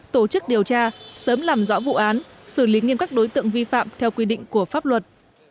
tổ chức điều tra sớm làm rõ vụ án xử lý nghiêm các đối tượng vi phạm theo quy định của pháp luật